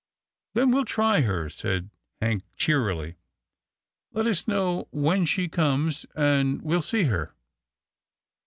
" Then we'll try her," said Hank cheerily. " Let us know when she comes, and we'll see her."